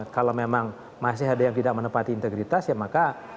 kalau memang masih ada yang tidak menepati integritas ya maka